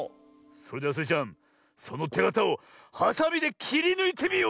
それではスイちゃんそのてがたをはさみできりぬいてみよ！